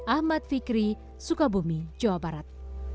ahmad fikri sukabumi jawa barat